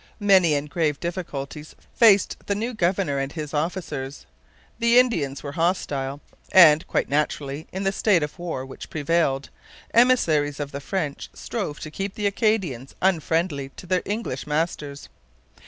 Many and grave difficulties faced the new governor and his officers. The Indians were hostile, and, quite naturally in the state of war which prevailed, emissaries of the French strove to keep the Acadians unfriendly to their English masters.